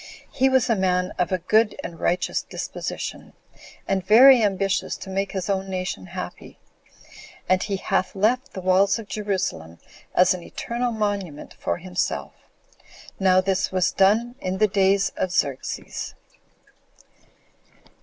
He was a man of a good and righteous disposition, and very ambitious to make his own nation happy; and he hath left the walls of Jerusalem as an eternal monument for himself. Now this was done in the days of Xerxes.